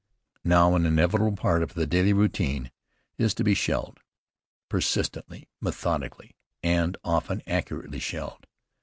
Now, an inevitable part of the daily routine is to be shelled, persistently, methodically, and often accurately shelled.